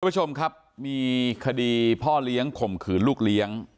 ผู้ชมครับมีคดีพ่อเลี้ยงข่มขืนลูกเลี้ยง